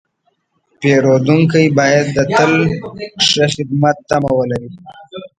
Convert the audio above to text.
پیرودونکی باید تل د ښه خدمت تمه ولري.